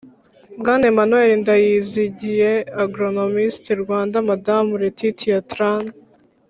Bwana Emmanuel Ndayizigiye agronomist Rwanda Madamu Laetitia Tran